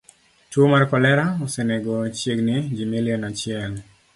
Tuo mar kolera osenego chiegni ji milion achiel.